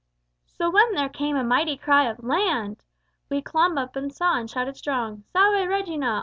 "So when there came a mighty cry of Land! And we clomb up and saw, and shouted strong _Salve Regina!